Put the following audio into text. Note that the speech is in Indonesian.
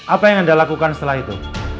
apa yang anda lakukan setelah itu